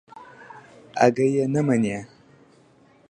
اگه يې نه مني.